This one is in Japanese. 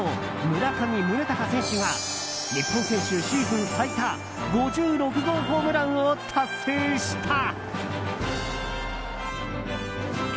村上宗隆選手が日本選手シーズン最多５６号ホームランを達成した。